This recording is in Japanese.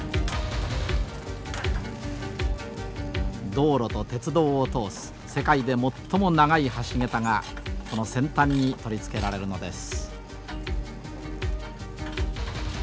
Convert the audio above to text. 道路と鉄道を通す世界で最も長い橋桁がこの先端に取り付けられるのです。